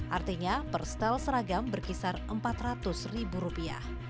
artinya per setel seragam berkisar empat ratus ribu rupiah